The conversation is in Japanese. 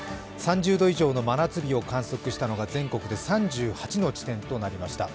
３０度以上の真夏日を観測したのが全国で３８の地点となりました。